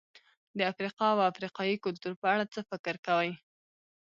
د افریقا او افریقایي کلتور په اړه څه فکر کوئ؟